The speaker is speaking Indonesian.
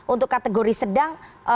untuk kategori sedang